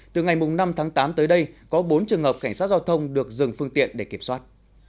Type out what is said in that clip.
từ ngày năm tháng tám tới đây có bốn trường hợp cảnh sát giao thông được dừng phương tiện để kiểm soát